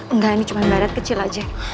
enggak ini cuma barat kecil aja